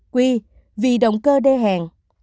q vì động cơ đe hèn